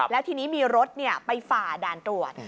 แล้วทีนี้มีรถไปฝ่าด่านตรวจ